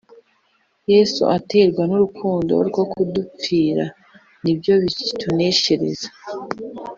Yesu aterwa n’urukundo rwo kudupfira nibyo bituneshereza